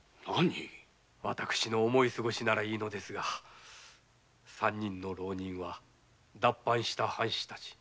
私の思いすごしならいいのですが三人の浪人は脱藩した藩士たち。